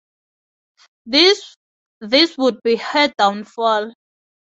This would be her downfall.